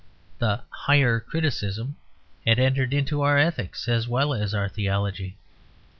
The Higher Criticism had entered into our ethics as well as our theology.